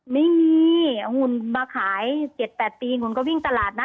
ไม่มีเอาหุ่นมาขาย๗๘ปีหุ่นก็วิ่งตลาดนัด